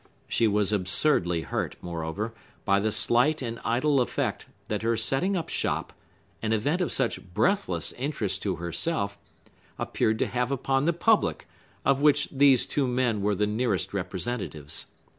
She was absurdly hurt, moreover, by the slight and idle effect that her setting up shop—an event of such breathless interest to herself—appeared to have upon the public, of which these two men were the nearest representatives.